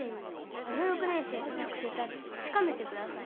あの６年生と直接会って確かめてください。